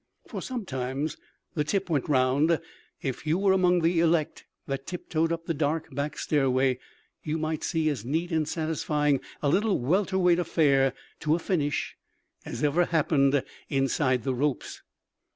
For sometimes the tip went 'round, and if you were among the elect that tiptoed up the dark back stairway you might see as neat and satisfying a little welter weight affair to a finish as ever happened inside the ropes.